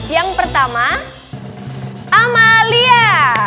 yang pertama amalia